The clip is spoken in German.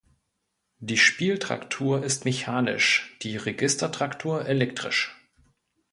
Die Spieltraktur ist mechanisch, die Registertraktur elektrisch.